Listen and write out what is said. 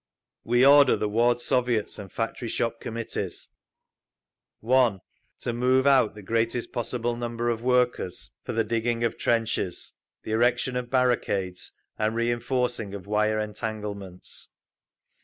WE ORDER THE WARD SOVIETS AND FACTORY SHOP COMMITTEES: 1. To move out the greatest possible number of workers for the digging of trenches, the erection of barricades and reinforcing of wire entanglements.